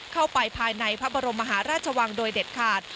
เข้าไปภายในพระบรมมหาราชวังโดยเด็ดขาด